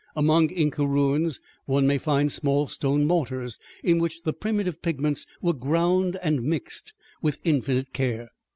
Among Inca ruins one may find small stone mortars, in which the primitive pigments were ground and mixed with infinite care.